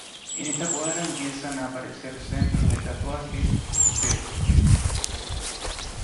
En esta cuadra empiezan a aparecer centros de tatuaje y piercings.